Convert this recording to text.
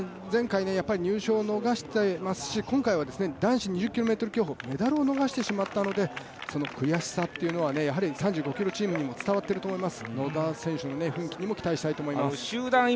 前回、優勝を逃していますし今回は男子２０ｋｍ競歩メダルを逃してしまったので、その悔しさというのは３５ｋｍチームにも伝わっていると思います、野田選手の奮起にも期待したいと思います。